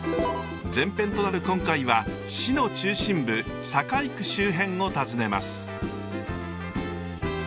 前編となる今回は市の中心部堺区周辺を訪ねます。